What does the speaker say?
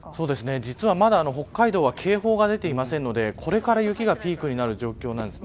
実は、まだ北海道は警報が出ていませんのでこれから雪がピークになる状況なんですね。